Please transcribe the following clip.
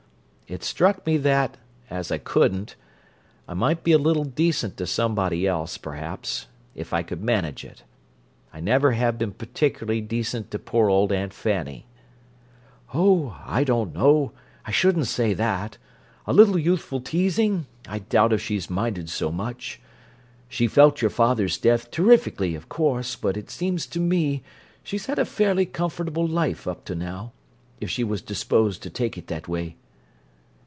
It's struck me that, as I couldn't, I might be a little decent to somebody else, perhaps—if I could manage it! I never have been particularly decent to poor old Aunt Fanny." "Oh, I don't know: I shouldn't say that. A little youthful teasing—I doubt if she's minded so much. She felt your father's death terrifically, of course, but it seems to me she's had a fairly comfortable life—up to now—if she was disposed to take it that way."